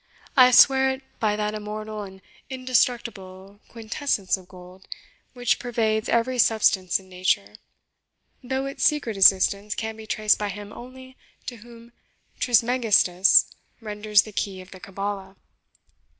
I swear it by that immortal and indestructible quintessence of gold, which pervades every substance in nature, though its secret existence can be traced by him only to whom Trismegistus renders the key of the Cabala."